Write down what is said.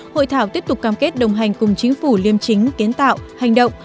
hội thảo tiếp tục cam kết đồng hành cùng chính phủ liêm chính kiến tạo hành động